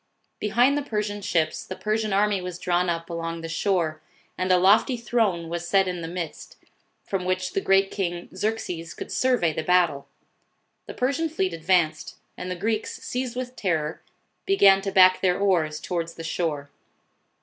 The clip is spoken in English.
Behind the Persian ships the Persian army was drawn up along the shore, and a lofty throne was set in the midst, from which the great King Xerxes could survey the battle. The Persian fleet advanced, and the Greeks, seized with terror, began to back their oars towards the shore.